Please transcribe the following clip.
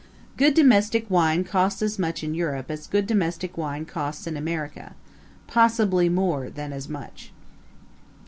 Good domestic wine costs as much in Europe as good domestic wine costs in America possibly more than as much.